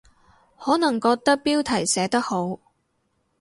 可能覺得標題寫得好